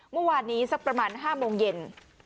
เมื่อวานนี้สักประมาณ๕โมงเย็น